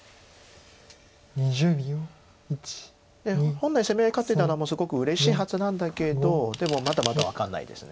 本来攻め合い勝てたらもうすごくうれしいはずなんだけどでもまだまだ分かんないです。